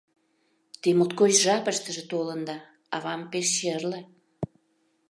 — Те моткоч жапыштыже толында, авам пеш черле.